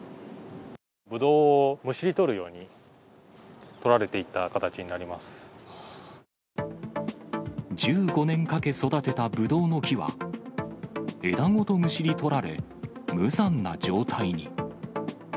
ぶどうをむしり取るようにと１５年かけ育てたぶどうの木は、枝ごとむしり取られ、無残な状態に。